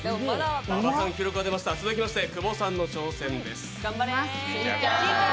続きまして久保さんの挑戦です。